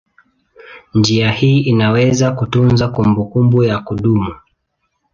Njia hii inaweza kutunza kumbukumbu ya kudumu.